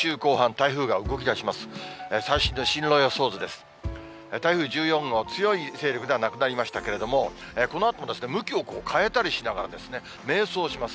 台風１４号、強い勢力ではなくなりましたけれども、このあとも向きを変えたりしながら、迷走します。